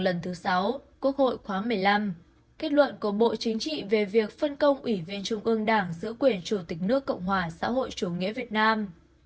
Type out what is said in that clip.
lần thứ sáu quốc hội khóa một mươi năm kết luận của bộ chính trị về việc phân công ủy viên trung ương đảng giữ quyền chủ tịch nước cộng hòa xã hội chủ nghĩa việt nam